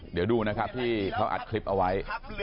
เดี๋ยวดูนะครับที่เขาอัดคลิปเอาไว้